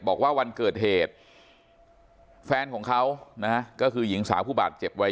บอกว่าวันเกิดเหตุแฟนของเขานะฮะก็คือหญิงสาวผู้บาดเจ็บวัย